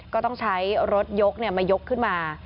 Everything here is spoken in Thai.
ก็ต้องใช้รถยกมายกขึ้นมา